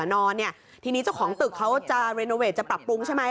เสือนอนเนี่ยที่นี้ของตึกเขาจะปรับปรุงใช่ไหม